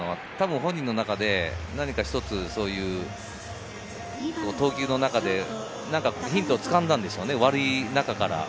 本人の中では投球の中でヒントを掴んだんでしょうね、悪い中から。